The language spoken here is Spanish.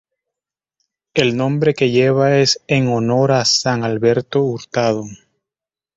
El nombre que lleva es en honor a San Alberto Hurtado.